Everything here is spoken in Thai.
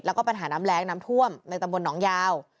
แล้วก็ปัญหาน้ำแรงน้ำท่วมในตำบลหนองยาว